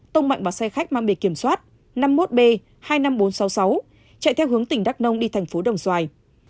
tông mạnh vào xe khách mang bề kiểm soát năm mươi một b hai mươi năm nghìn bốn trăm sáu mươi sáu chạy theo hướng tỉnh đắk nông đi thành phố đồng xoài